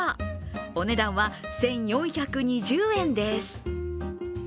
お値段は１４２０円です。